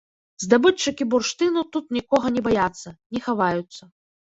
Здабытчыкі бурштыну тут нікога не баяцца, не хаваюцца.